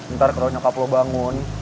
ntar kalau nyokap lo bangun